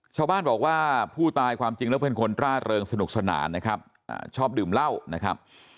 ชาวบ้านบอกว่าผู้ตายความจริงแล้วเป็นคนร่าเริงสนุกสนานนะครับชอบดื่มเหล้านะครับ